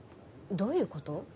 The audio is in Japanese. どういうこと？